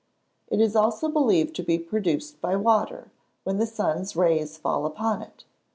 It is also believed to be produced by water, when the sun's rays fall upon it.